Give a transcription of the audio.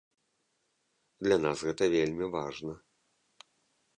Для нас гэта вельмі важна.